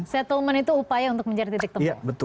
settlement itu upaya untuk mencari titik temu